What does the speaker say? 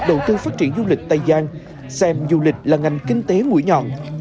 đầu tư phát triển du lịch tây giang xem du lịch là ngành kinh tế mũi nhọn